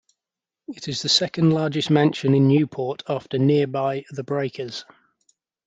It is the second largest mansion in Newport after nearby The Breakers.